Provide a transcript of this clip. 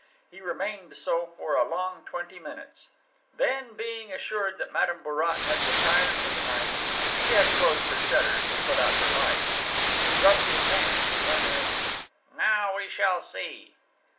He remained so for a long twenty minutes. Then, being assured that Madame Bourrat had retired for the night she had closed her shutters and put out her light he rubbed his hands, murmuring: "Now we shall see!"